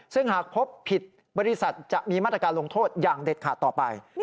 ซึ่งหากพบผิดบริษัทจะมีมาตรการลงโทษอย่างเด็ดขาดต่อไป